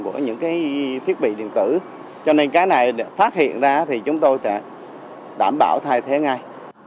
với thiết bị điện tử cho nên cái này phát hiện ra thì chúng tôi sẽ đảm bảo thay thế ngay